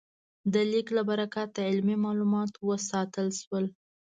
د لیک له برکته علمي مالومات وساتل شول.